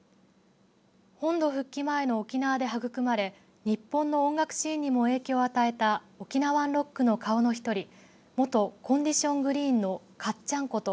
本土復帰前の沖縄で育まれ日本の音楽シーンにも影響を与えたオキナワン・ロックの顔の一人元コンディション・グリーンのかっちゃんこと